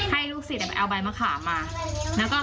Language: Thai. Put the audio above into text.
พอคุยกับเราอยู่อย่างเงี้ยรู้สึกว่าจะเกิดท่านก็